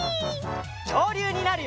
きょうりゅうになるよ！